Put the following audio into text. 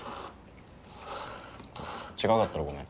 違うんだったらごめん。